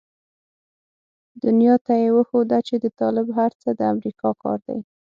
دنيا ته يې وښوده چې د طالب هر څه د امريکا کار دی.